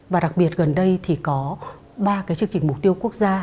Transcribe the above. và đặc biệt gần đây thì có ba cái chương trình mục tiêu quốc gia